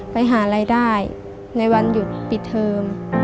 ไปหารายได้ในวันหยุดปิดเทอม